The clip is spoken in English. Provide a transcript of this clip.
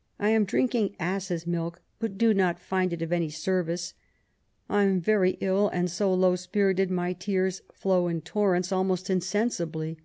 ... I am drinking asses' milk, but do not find it of any service. I am very ill, and so low spirited my tears flow in torrenta almost insensibly.